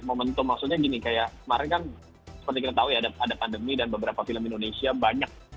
momentum maksudnya gini kayak kemarin kan seperti kita tahu ya ada pandemi dan beberapa film indonesia banyak